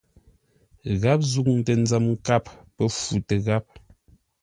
Gháp zûŋtə nzəm nkâp pə́ futə gháp.